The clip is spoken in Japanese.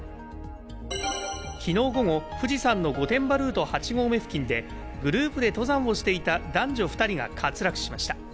昨日午後、富士山の御殿場ルート８合目付近でグループで登山をしていた男女２人が滑落しました。